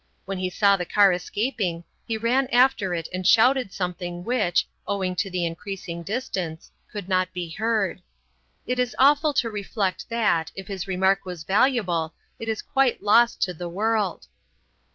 When he saw the car escaping he ran after it and shouted something which, owing to the increasing distance, could not be heard. It is awful to reflect that, if his remark was valuable, it is quite lost to the world.